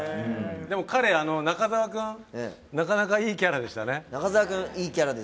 でも彼、中澤君、なかなかいいキャラでしたね。